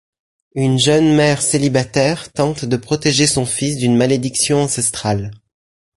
Une jeune mère célibataire tente de protéger son fils d'une malédiction ancestrale.